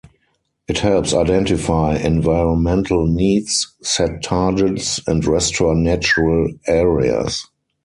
It helps identify environmental needs, set targets, and restore natural areas.